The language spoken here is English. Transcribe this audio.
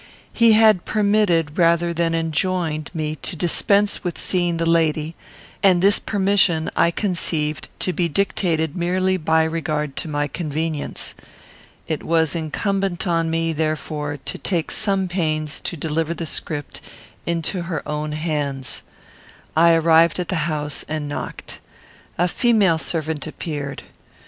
He had permitted, rather than enjoined, me to dispense with seeing the lady; and this permission I conceived to be dictated merely by regard to my convenience. It was incumbent on me, therefore, to take some pains to deliver the script into her own hands. I arrived at the house and knocked. A female servant appeared.